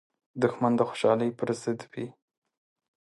دښمن د خوشحالۍ پر ضد وي